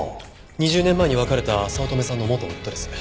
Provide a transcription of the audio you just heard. ２０年前に別れた早乙女さんの元夫です。